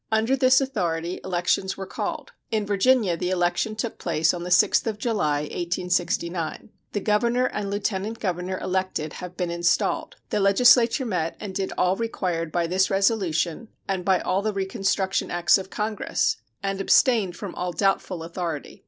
Under this authority elections were called. In Virginia the election took place on the 6th of July, 1869. The governor and lieutenant governor elected have been installed. The legislature met and did all required by this resolution and by all the reconstruction acts of Congress, and abstained from all doubtful authority.